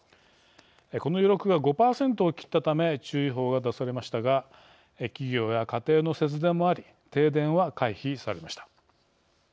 この余力が５％を切ったため注意報が出されましたが企業や家庭の節電もあり停電は回避されました。